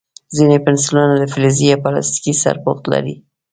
ځینې پنسلونه د فلزي یا پلاستیکي سرپوښ لري.